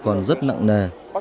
còn rất nặng nề